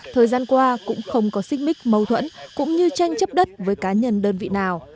thời gian qua cũng không có xích mích mâu thuẫn cũng như tranh chấp đất với cá nhân đơn vị nào